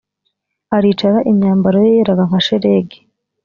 aricara imyambaro ye yeraga nka shelegi